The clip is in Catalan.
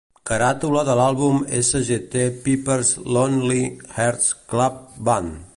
Caràtula de l'àlbum Sgt. Pepper's Lonely Hearts Club Band.